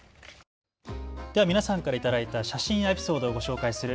では皆さんから頂いた写真やエピソードを紹介する＃